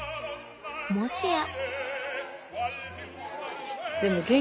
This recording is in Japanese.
もしや。